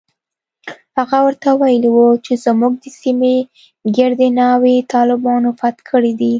هغه ورته ويلي و چې زموږ د سيمې ګردې ناوې طالبانو فتح کړي دي.